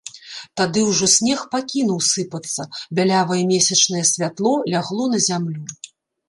Тады ўжо снег пакінуў сыпацца, бялявае месячнае святло лягло на зямлю.